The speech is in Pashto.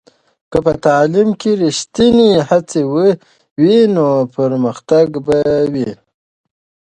که په تعلیم کې ریښتینې هڅه وي، نو پرمختګ به وي.